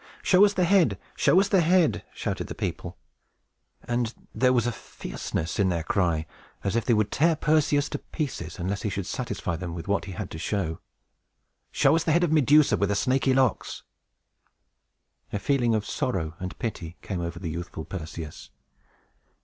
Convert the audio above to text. "Show us the head! Show us the head!" shouted the people; and there was a fierceness in their cry as if they would tear Perseus to pieces, unless he should satisfy them with what he had to show. "Show us the head of Medusa with the snaky locks!" A feeling of sorrow and pity came over the youthful Perseus.